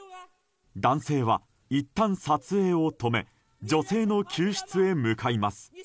男性はいったん撮影を止め女性の救出へ向かいます。